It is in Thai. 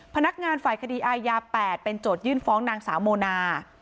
พนักงานฝ่ายคดีอายา๘เป็นโจทยื่นฟ้องนางสาวโมนา